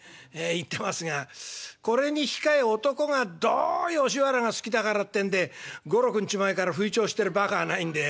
言ってますがこれに引き換え男がどう吉原が好きだからってんで５６日前から吹聴しているバカはないんで。